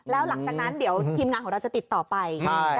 แล้วหลังจากนั้นเดี๋ยวทีมงานของเราจะติดต่อไป